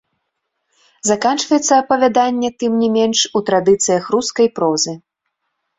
Заканчваецца апавяданне, тым не менш, у традыцыях рускай прозы.